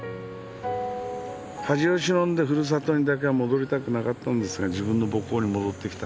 恥を忍んでふるさとにだけは戻りたくなかったんですが自分の母校に戻ってきた。